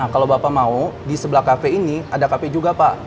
nah kalau bapak mau di sebelah cafe ini ada cafe juga pak